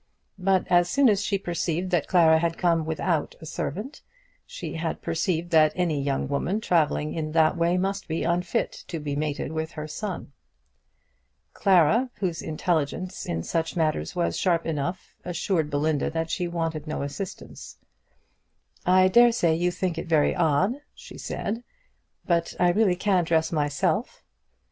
But as soon as she had perceived that Clara had come without a servant, she had perceived that any young woman who travelled in that way must be unfit to be mated with her son. Clara, whose intelligence in such matters was sharp enough, assured Belinda that she wanted no assistance. "I dare say you think it very odd," she said, "but I really can dress myself."